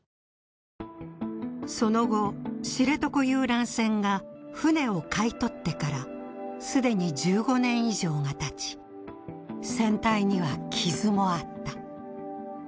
その後知床遊覧船が船を買い取ってからすでに１５年以上が経ち船体には傷もあった。